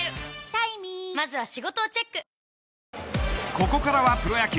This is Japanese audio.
ここからはプロ野球。